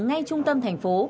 ngay trung tâm thành phố